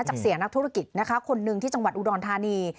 จากเสียนักธุรกิจนะคะคนหนึ่งที่จังหวัดอุดรธานี